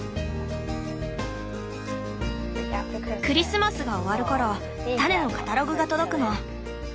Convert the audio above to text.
クリスマスが終わる頃種のカタログが届くの。